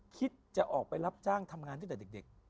คิดจะออกไปรับจ้างทำงานตั้งแต่เด็ก